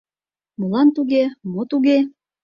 Молан туге, мо туге?